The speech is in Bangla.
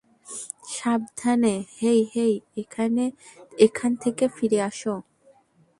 সাবধানে, হেই হেই, ওখান থেকে ফিরে আসো।